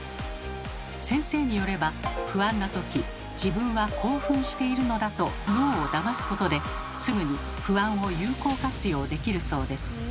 先生によれば不安な時自分は興奮しているのだと脳をだますことですぐに不安を有効活用できるそうです。